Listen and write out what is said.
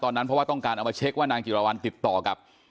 ตอนนั้นเพราะว่าต้องการเอามาเช็คว่านางจิรวรรณติดต่อกับ